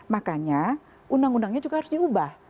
makanya undang undangnya juga harus diubah